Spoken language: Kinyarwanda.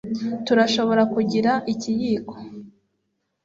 Turashobora kugira ikiyiko